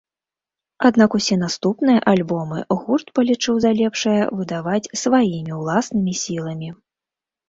Аднак усе наступныя альбомы гурт палічыў за лепшае выдаваць сваімі ўласнымі сіламі.